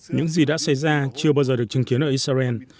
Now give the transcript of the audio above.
những gì đã xảy ra chưa bao giờ được chứng kiến ở israel